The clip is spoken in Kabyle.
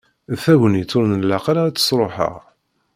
D tagnit ur nlaq ara ad tt-sruḥeɣ.